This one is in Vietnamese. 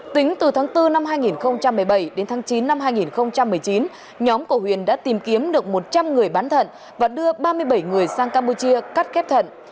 tính từ tháng bốn năm hai nghìn một mươi bảy đến tháng chín năm hai nghìn một mươi chín nhóm của huyền đã tìm kiếm được một trăm linh người bán thận và đưa ba mươi bảy người sang campuchia cắt ghép thận